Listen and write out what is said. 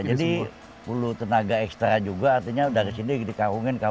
perlu tenaga ekstra juga artinya dari sini dikawungin